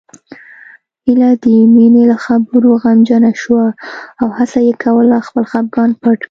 هيله د مينې له خبرو غمجنه شوه او هڅه يې کوله خپګان پټ کړي